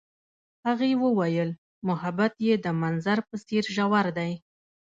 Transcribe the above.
هغې وویل محبت یې د منظر په څېر ژور دی.